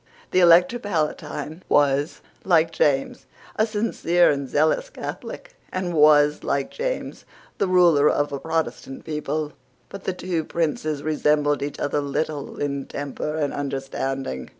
The Elector Palatine was, like James, a sincere and zealous Catholic, and was, like James, the ruler of a Protestant people; but the two princes resembled each other little in temper and understanding.